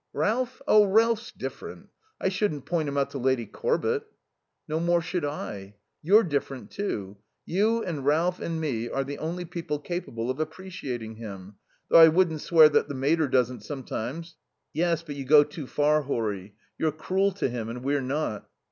"Ralph? Oh, Ralph's different. I shouldn't point him out to Lady Corbett." "No more should I. You're different, too. You and Ralph and me are the only people capable of appreciating him. Though I wouldn't swear that the mater doesn't, sometimes." "Yes. But you go too far, Horry. You're cruel to him, and we're not."